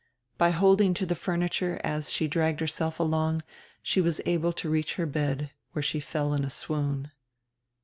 By holding to the furniture as she dragged herself along she was able to reach her bed, where she fell in a swoon.